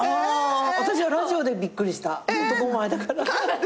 私はラジオでびっくりした男前だから。